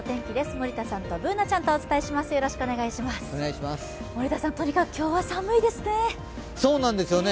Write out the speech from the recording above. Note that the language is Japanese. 森田さん、とにかく今日は寒いですね。